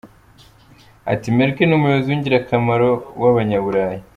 Ati “Merkel ni umuyobozi w’ingirakamaro w’Abanyaburayi.